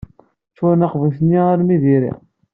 Ččuṛen aqbuc-nni armi d iri.